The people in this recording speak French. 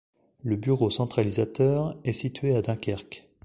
Le bureau centralisateur est situé à Dunkerque.